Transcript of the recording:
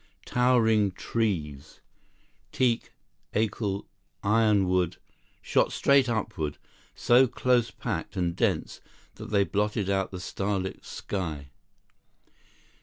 Towering trees, teak, acle, ironwood, shot straight upward, so close packed and dense that they blotted out the starlit sky.